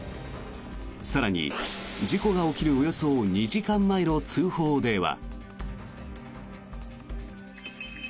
更に、事故が起きるおよそ２時間前の通報では。